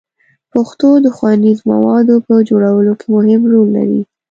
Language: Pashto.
پښتو د ښوونیزو موادو په جوړولو کې مهم رول لري.